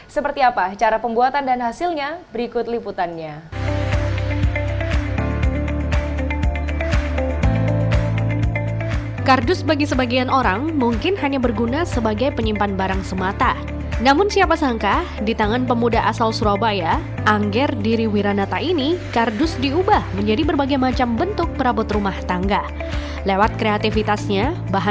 seperti apa cara pembuatan dan hasilnya berikut liputannya